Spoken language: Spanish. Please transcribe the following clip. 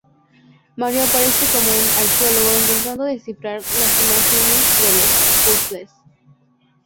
Mario aparece como un arqueólogo intentando descifrar las imágenes de los puzzles.